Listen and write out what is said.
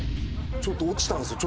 ちょっと落ちたんですよ。